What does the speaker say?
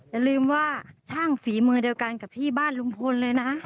อย่าลืมว่าช่างฝีมือเดียวกันกับที่บ้านลุงพลเลยนะ